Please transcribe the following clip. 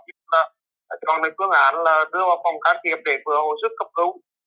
chúng ta đã chọn phương án đưa vào phòng can thiệp để vừa hồi sức cập cấu